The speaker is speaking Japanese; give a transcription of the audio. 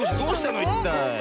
いったい。